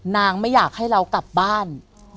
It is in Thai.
ไม่อยากให้เรากลับบ้าน